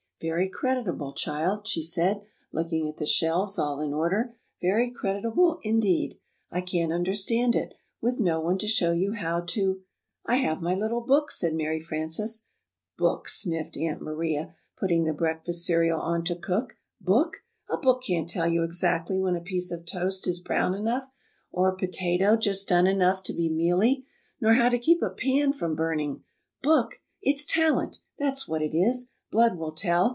"Very creditable, child," she said, looking at the shelves, all in order, "very creditable indeed. I can't understand it with no one to show you how to " "I have my little book," said Mary Frances. "Book!" sniffed Aunt Maria, putting the breakfast cereal on to cook. "Book! A book can't tell you exactly when a piece of toast is brown enough, or a potato just done enough to be mealy, nor how to keep a pan from burning. Book! It's talent! That's what it is! Blood will tell.